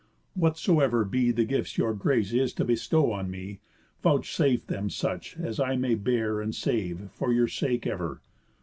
Whatsoever be The gifts your grace is to bestow on me, Vouchsafe them such as I may bear and save For your sake ever.